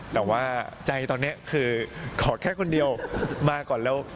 แต่ว่าใจตอนนี้คือขอแค่คนเดียวมาก่อนแล้ว